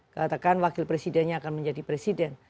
katakan wakil presidennya akan menjadi presiden